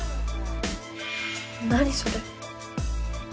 「何それ？」。